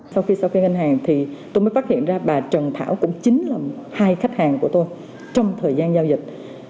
sau khi ghen hàng tôi mới phát hiện ra bà trần thảo cũng chính là hai khách hàng của tôi trong thời gian giao dịch